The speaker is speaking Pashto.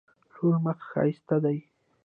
ټوله مخ ښایسته ده.